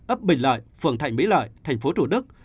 ấp bình lợi phường thạnh mỹ lợi tp hcm